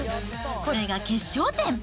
これが決勝点。